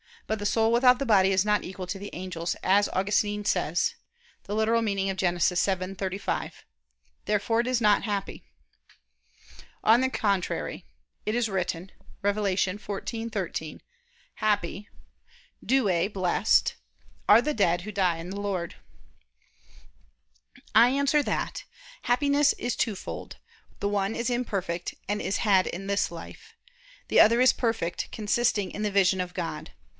But the soul without the body is not equal to the angels, as Augustine says (Gen. ad lit. xii, 35). Therefore it is not happy. On the contrary, It is written (Apoc. 14:13): "Happy [Douay: 'blessed'] are the dead who die in the Lord." I answer that, Happiness is twofold; the one is imperfect and is had in this life; the other is perfect, consisting in the vision of God.